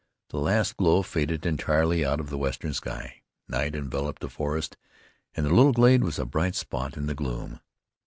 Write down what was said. The last glow faded entirely out of the western sky. Night enveloped the forest, and the little glade was a bright spot in the gloom.